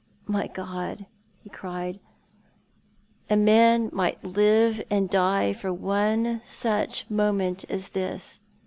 " My God," he cried, " a man might live and die for one such moment as this